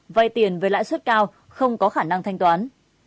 vay tiền với lãi suất cao không có khả năng thanh toán